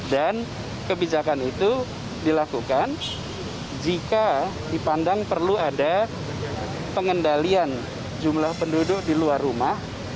dan kebijakan itu dilakukan jika dipandang perlu ada pengendalian jumlah penduduk di luar rumah